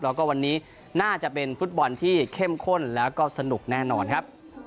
แล้วก็วันนี้น่าจะเป็นฟุตบอลที่เข้มข้นแล้วก็สนุกแน่นอนครับ